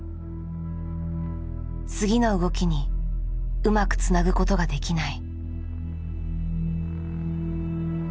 次の動きにうまくつなぐことができない。